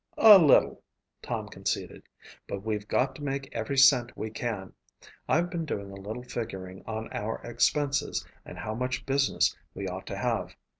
"A little," Tom conceded, "but we've got to make every cent we can. I've been doing a little figuring on our expenses and how much business we ought to have.